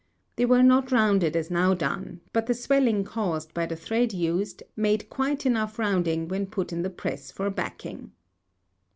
They were not rounded as now done, but the swelling caused by the thread used made quite enough rounding when put in the press for backing.